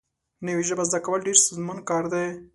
نوې ژبه زده کول ډېر ستونزمن کار دی